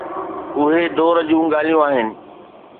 اهي دور جون ڳالهيون آهن.